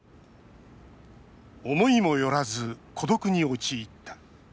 思いもよらず、孤独に陥った。